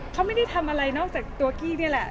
เขาไม่ได้ทำอะไรนอกจากตัวกี้นี่แหละ